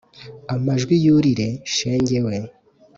Amajwi yurire shenge we